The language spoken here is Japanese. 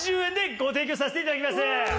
ご提供させていただきます。